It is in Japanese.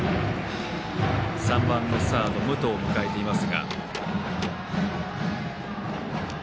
３番のサード武藤を迎えています。